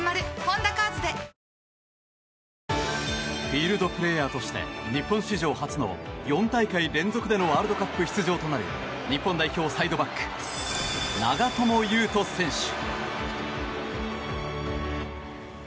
フィールドプレイヤーとして日本史上初の４大会連続でのワールドカップ出場となる日本代表、サイドバック長友佑都選手。